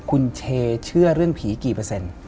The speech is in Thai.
คุณเชเชื่อเรื่องผีกี่เปอร์เซ็นต์